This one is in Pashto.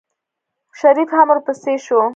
شريف هم ورپسې شو.